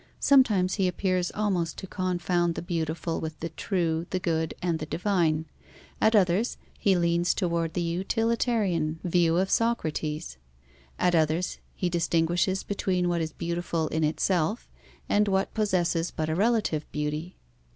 Sometimes he appears almost to confound the beautiful with the true, the good and the divine; at others he leans toward the utilitarian view of Socrates; at others he distinguishes between what is beautiful In itself and what possesses but a relative beauty.